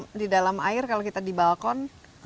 kalau di dalam air kalau kita di balkon